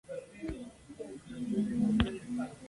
Díaz batea y lanza a la derecha.